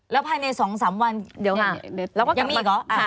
แล้วภายในสัก๒๓วันยังมีอีกเหรอ